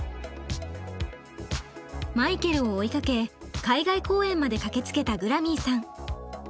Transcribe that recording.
マイケルを追いかけ海外公演まで駆けつけたグラミーさん。